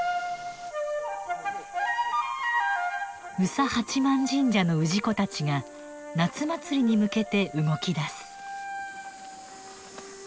宇佐八幡神社の氏子たちが夏祭りに向けて動きだす。